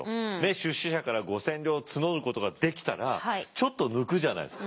出資者から５，０００両募ることができたらちょっと抜くじゃないですか。